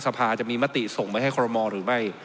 สภาจะมีมติส่งไปให้คอรมอลหรือไม่